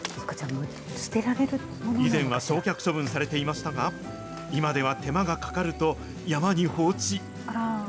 以前は焼却処分されていましたが、今では手間がかかると、山に放置。